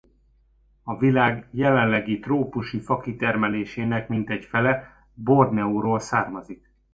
A világ jelenlegi trópusi fakitermelésének mintegy fele Borneóról származik.